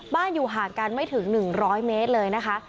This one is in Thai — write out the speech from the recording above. บ้านอยู่ห่างกันไม่ถึงหนึ่งร้อยเมตรเลยนะคะ